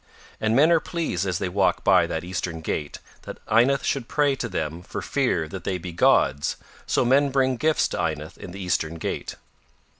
And men are pleased as they walk by that Eastern gate that Ynath should pray to them for fear that they be gods, so men bring gifts to Ynath in the Eastern gate.